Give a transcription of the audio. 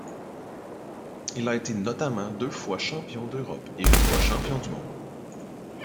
Il a été notamment deux fois champion d'Europe et une fois champion du monde.